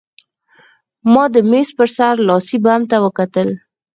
ما د مېز په سر لاسي بم ته وکتل